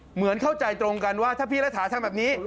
เหมือนเข้าใจตรงกันว่าถ้าพี่รัฐาทำแบบนี้